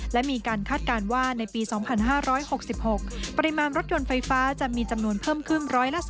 และมีการคาดการณ์ว่าในปี๒๕๖๖ปริมาณรถยนต์ไฟฟ้าจะมีจำนวนเพิ่มขึ้น๑๓